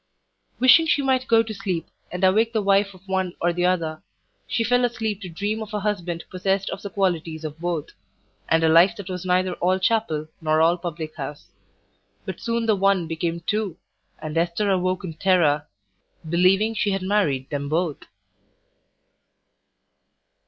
Wishing she might go to sleep, and awake the wife of one or the other, she fell asleep to dream of a husband possessed of the qualities of both, and a life that was neither all chapel nor all public house. But soon the one became two, and Esther awoke in terror, believing she had married them both.